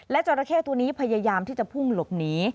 จราเข้ตัวนี้พยายามที่จะพุ่งหลบหนี